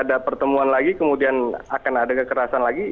ada pertemuan lagi kemudian akan ada kekerasan lagi